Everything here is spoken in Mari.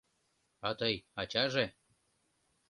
А тый, ачаже?